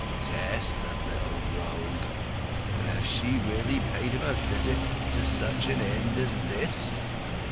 Tess, the little rogue! And have she really paid 'em a visit to such an end as this?"